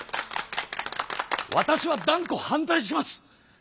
わたしは断固反対します！